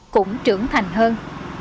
cũng trưởng thành hơn